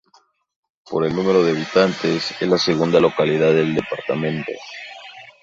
Por el número de habitantes, es la segunda localidad del departamento.